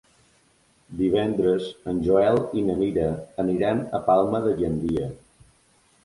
Divendres en Joel i na Mira aniran a Palma de Gandia.